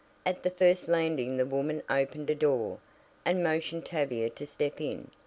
At the first landing the woman opened a door, and motioned Tavia to step in.